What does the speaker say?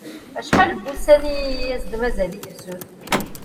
Acḥal n wussan i as-d-mazal i tefsut?